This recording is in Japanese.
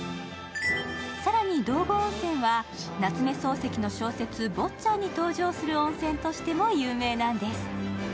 更に、道後温泉は夏目漱石の小説「坊っちゃん」に登場する温泉としても有名なんです。